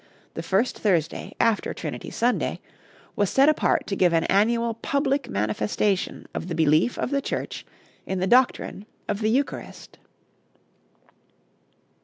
the first Thursday after Trinity Sunday, was set apart to give an annual public manifestation of the belief of the Church in the doctrine of the Eucharist.